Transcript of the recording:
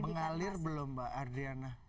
mengalir belum mbak adriana